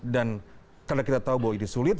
karena kita tahu bahwa ini sulit